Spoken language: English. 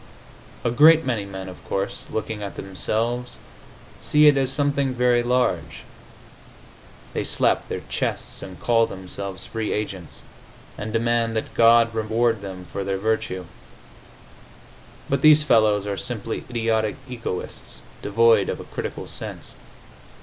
A great many men, of course, looking at themselves, see it as something very large; they slap their chests and call themselves free agents, and demand that God reward them for their virtue. But these fellows are simply idiotic egoists, devoid of a critical sense.